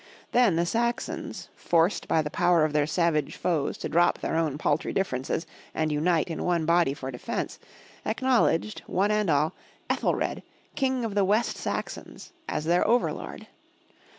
Then the Saxons, forced by the power of their savage foes to drop their own paltry differ ences and unite in one body for defence, acknowledged, one and all, Ethelred, King of the West Saxons, as their over lord.